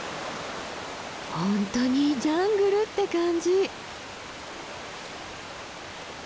本当にジャングルって感じ。